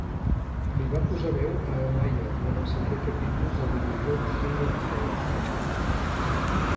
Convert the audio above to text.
Li va posar veu a Amaya durant el cinquè capítol del videojoc "Game of Thrones".